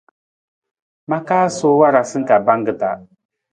Ma kaa suwii warasa ka pangki ta.